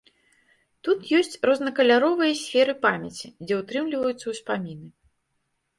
Тут ёсць рознакаляровыя сферы памяці, дзе ўтрымліваюцца ўспаміны.